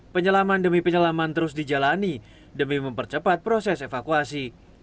penyelaman demi penyelaman terus dijalani demi mempercepat proses evakuasi